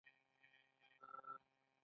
دا د ټریننګونو او ورکشاپونو له لارې کیږي.